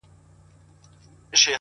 • زه دي سوځلی یم او ته دي کرۍ شپه لګېږې,